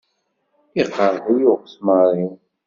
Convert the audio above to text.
Iqṛeḥ-iyi uɣesmaṛ-iw.